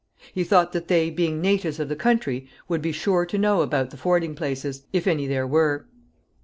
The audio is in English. He thought that they, being natives of the country, would be sure to know about the fording places, if any there were.